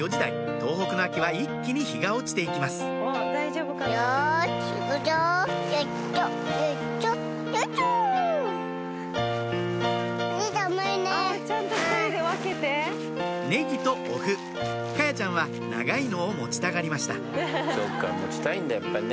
東北の秋は一気に日が落ちて行きますネギとお麩華彩ちゃんは長いのを持ちたがりました持ちたいんだやっぱね。